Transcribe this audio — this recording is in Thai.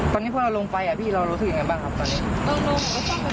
ตอนนี้พอเราลงไปพี่เรารู้สึกยังไงบ้างครับตอนนี้